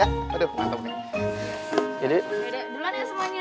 ya udah ya duluan ya semuanya